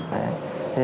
thế còn ngoài ra thì